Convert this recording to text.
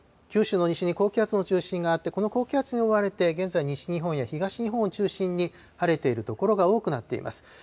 九州の西に高気圧の中心があって、この高気圧に覆われて現在、西日本や東日本を中心に、晴れている所が多くなっています。